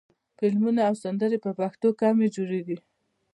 فلمونه او سندرې په پښتو کمې جوړېږي.